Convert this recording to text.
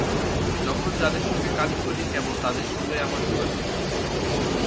যখন যাঁদের সঙ্গে কাজ করি, কেবল তাঁদের সঙ্গেই আমার যোগাযোগ থাকে।